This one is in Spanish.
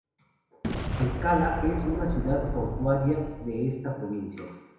El Kala es una ciudad portuaria de esta provincia.